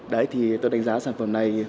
đấy thì tôi đánh giá sản phẩm này